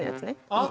あっ。